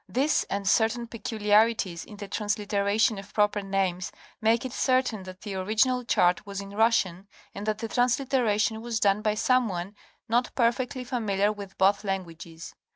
This and certain peculiarities in the transliteration of proper names make it certain that the original chart was in Russian and that the translitera tion was done by some one not perfectly familiar with both languages.